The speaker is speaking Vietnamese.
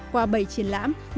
qua bảy triển lãm